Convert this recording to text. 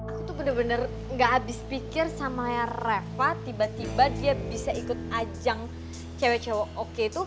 aku tuh bener bener gak habis pikir sama rafa tiba tiba dia bisa ikut ajang cewek cewek oke itu